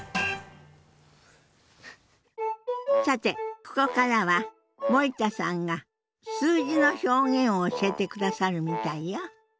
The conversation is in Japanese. さてここからは森田さんが数字の表現を教えてくださるみたいよ。